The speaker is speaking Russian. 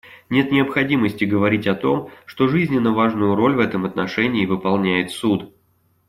Нет необходимости говорить о том, что жизненно важную роль в этом отношении выполняет Суд.